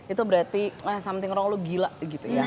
itu berarti something wrong lu gila gitu ya